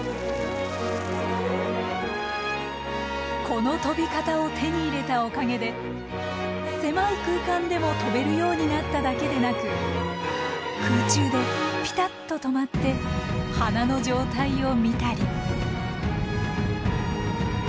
この飛び方を手に入れたおかげで狭い空間でも飛べるようになっただけでなく空中でピタッと止まって花の状態を見たり。